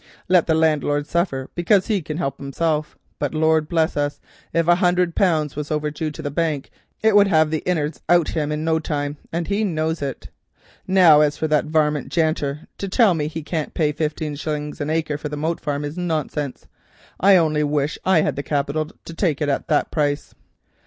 Let the landlord suffer, because he can't help hisself; but Lord bless us, if a hundred pounds were overdue to the bank it would have the innards out of him in no time, and he knows it. Now as for that varmint, Janter, to tell me that he can't pay fifteen shillings an acre for the Moat Farm, is nonsense. I only wish I had the capital to take it at the price, that I du."